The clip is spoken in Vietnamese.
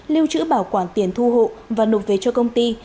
lưu trữ bảo quản tiền thu hộ và nộp về cho công ty